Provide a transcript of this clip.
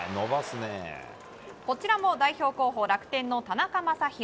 こちらも代表候補楽天の田中将大。